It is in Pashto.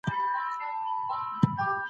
که تېرې څېړني تکرار سي نو وخت به ضایع سي.